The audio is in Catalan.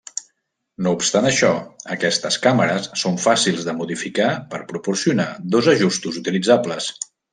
No obstant això, aquestes càmeres són fàcils de modificar per proporcionar dos ajustos utilitzables.